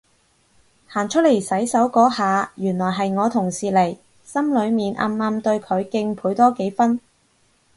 行出嚟洗手嗰下原來係我同事嚟，心裏面暗暗對佢敬佩多幾分